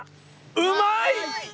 うまいッ！